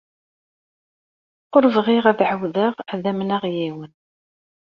Ur bɣiɣ ad ɛawdeɣ ad amneɣ yiwen.